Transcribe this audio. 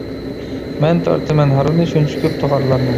مەن تارتىمەن ھارۋىنى، شۇنچە كۆپ تاغارلارنى.